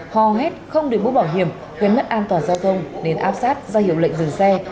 hò hét không để bút bảo hiểm gây mất an toàn giao thông nên áp sát ra hiệu lệnh dừng xe